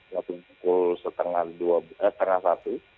waktu pukul setengah dua eh setengah satu